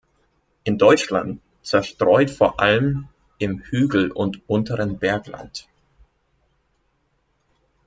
In Deutschland zerstreut vor allem im Hügel- und unteren Bergland.